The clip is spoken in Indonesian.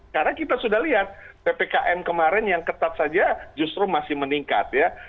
karena kita sudah lihat ppkn kemarin yang ketat saja justru masih meningkat ya